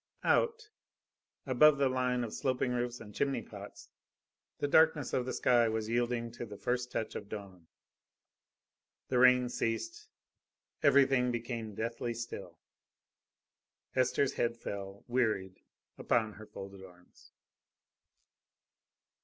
Out, above the line of sloping roofs and chimney pots, the darkness of the sky was yielding to the first touch of dawn. The rain ceased. Everything became deathly still. Esther's head fell, wearied, upon her folded arms.